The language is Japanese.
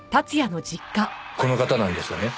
この方なんですがね。